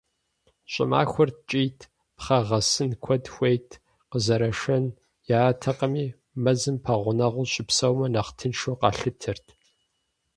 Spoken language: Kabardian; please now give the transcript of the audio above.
Щӏымахуэр ткӏийт, пхъэ гъэсын куэд хуейт, къызэрашэн яӏэтэкъыми, мэзым пэгъунэгъуу щыпсэумэ нэхъ тыншу къалъытэрт.